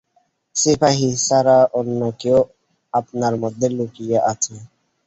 সিপাহী ছাড়া অন্য কেউ আপনার মধ্যে লুকিয়ে আছে।